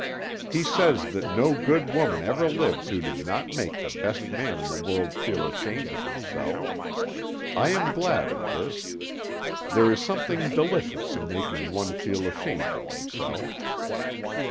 He says that no good woman ever lived who did not make the best man in the world feel ashamed of himself. I am glad of this. There is something delicious in making one feel ashamed of himself.